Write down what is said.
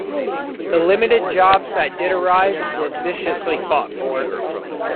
The limited jobs that did arise were viciously fought for.